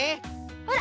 ほら。